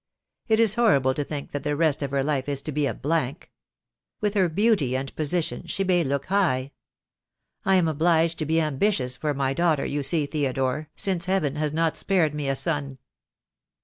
It is horrible to think that the rest of her life is to be a blank. With her beauty and position she may look high. I am obliged to be ambitious for my daughter, you see, Theodore, since Heaven has not spared me a son."